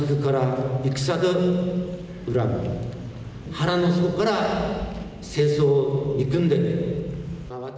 腹の底から戦争を憎んでいる。